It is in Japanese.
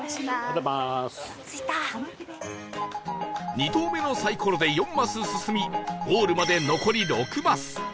２投目のサイコロで４マス進みゴールまで残り６マス